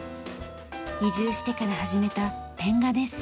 移住してから始めたペン画です。